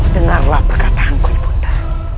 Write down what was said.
dengarlah perkataanku ibuna